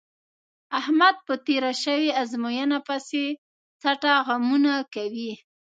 احمد په تېره شوې ازموینه پسې څټه غمونه کوي.